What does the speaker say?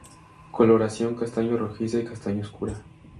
Coloración castaño rojiza a castaño oscura.